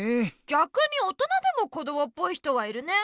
ぎゃくに大人でもこどもっぽい人はいるね。